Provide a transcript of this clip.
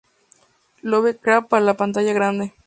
Lovecraft para la pantalla grande.